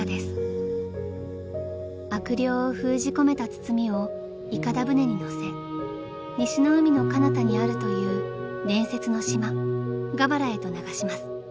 ［悪霊を封じ込めた包みをいかだ舟にのせ西の海のかなたにあるという伝説の島ガバラへと流します］